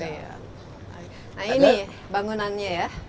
nah ini bangunannya ya